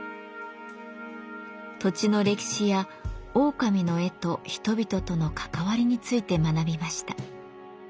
土地の歴史やオオカミの絵と人々との関わりについて学びました。